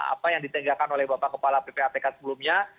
apa yang ditenggakkan oleh bapak kepala ppatk sebelumnya